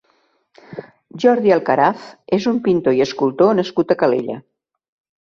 Jordi Alcaraz és un pintor i escultor nascut a Calella.